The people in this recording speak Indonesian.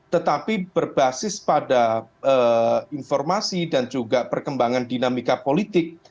tetapi berbasis pada informasi dan juga perkembangan dinamika politik